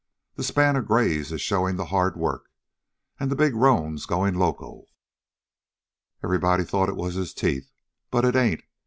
That span of grays is showin' the hard work. An' the big roan's goin' loco. Everybody thought it was his teeth, but it ain't.